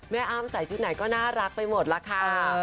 อ้ามใส่ชุดไหนก็น่ารักไปหมดล่ะค่ะ